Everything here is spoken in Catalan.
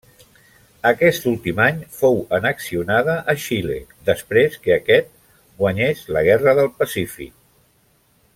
Aquest últim any fou annexionada a Xile, després que aquest guanyés la Guerra del Pacífic.